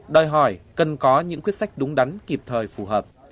đòi hỏi cần có những quyết sách đúng đắn kịp thời phù hợp